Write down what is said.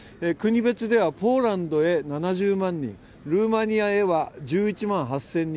国別ではポーランドへ７０万人ルーマニアへは１１万８０００人